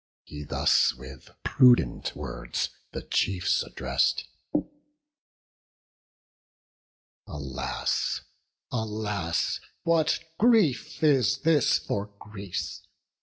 He thus with prudent words the chiefs address'd: "Alas, alas! what grief is this for Greece!